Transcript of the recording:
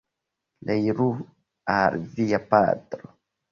Reiru al via patro!